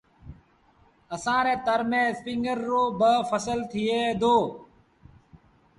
اسآݩ ري تر ميݩ اسپِنگر رو با ڦسل ٿئي دو